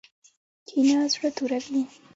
کینه زړه توروي